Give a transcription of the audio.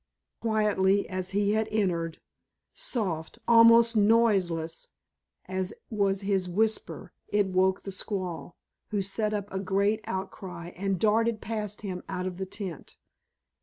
Quietly as he had entered, soft, almost noiseless as was his whisper, it woke the squaw, who set up a great outcry and darted past him out of the tent.